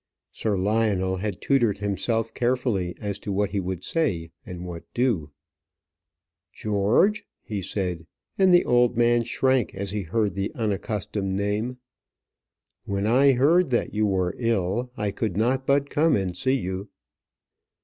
Sir Lionel had tutored himself carefully as to what he would say and what do. "George," he said, and the old man shrank as he heard the unaccustomed name. "When I heard that you were ill, I could not but come and see you."